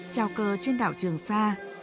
chào cơ trên đảo trường sa